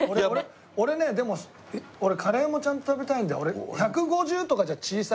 俺ねでもカレーもちゃんと食べたいんだよ。